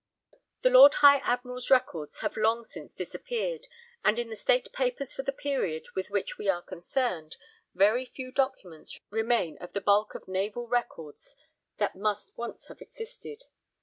The Lord High Admiral's records have long since disappeared, and in the State Papers for the period with which we are concerned very few documents remain of the bulk of naval records that must once have existed.